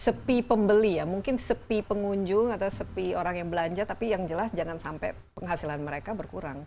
sepi pembeli ya mungkin sepi pengunjung atau sepi orang yang belanja tapi yang jelas jangan sampai penghasilan mereka berkurang